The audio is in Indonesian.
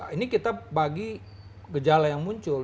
ini kita bagi gejala yang muncul